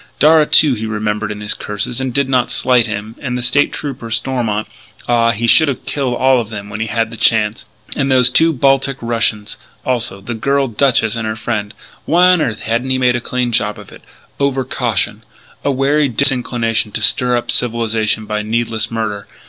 Darragh, too, he remembered in his curses, and did not slight him. And the trooper, Stormont ah, he should have killed all of them when he had the chance.... And those two Baltic Russians, also, the girl duchess and her friend. Why on earth hadn't he made a clean job of it? Over caution. A wary disinclination to stir up civilization by needless murder.